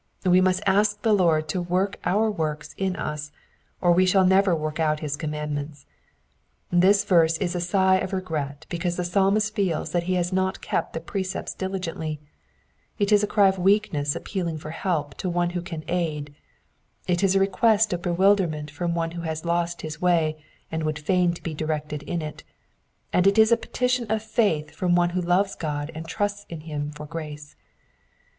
We must ask the Lord to work our works in us. or we shall never work out his commandments. This verse is a sigh of regret because the Psalmist feels that he has not kept the precepts dili l^ntly, it is a cry of weakness appealing for help to one who can aid, it IS a request of bewilderment from one who has lost his way and would fain be directed in it, and it is a petition of faith from one who loves God and trusts in him for grace.